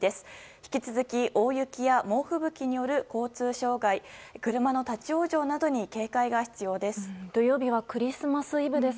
引き続き、大雪や猛吹雪による交通障害、車の立ち往生などに警戒が必要です。